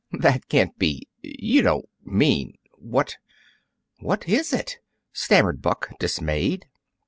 "That can't be you don't mean what what IS it?" stammered Buck, dismayed.